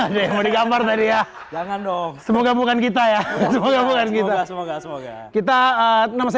ada yang digambar tadi ya jangan dong semoga bukan kita ya semoga semoga semoga kita namanya